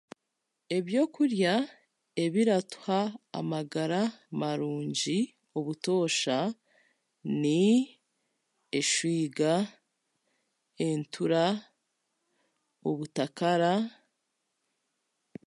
Ebyokurya ebiratuha amagara marungi obutoosha ni, eshwiga, entura, obutakara